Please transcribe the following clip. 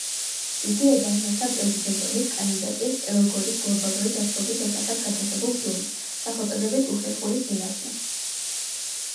იგივე დაემართა პრეზიდენტობის კანდიდატის, ელ გორის გლობალური დათბობის შესახებ გადაღებულ ფილმს, სახელწოდებით „უხერხული სიმართლე“.